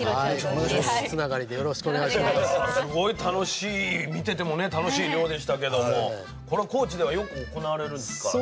すごい見てても楽しい漁でしたけどもこれ高知ではよく行われるんですか？